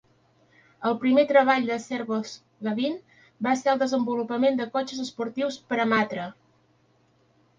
El primer treball de Servoz-Gavin va ser el desenvolupament de cotxes esportius per a Matra.